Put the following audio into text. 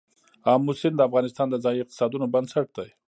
آمو سیند د افغانستان د ځایي اقتصادونو بنسټ دی.